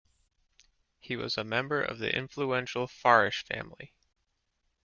He was a member of the influential Farish family.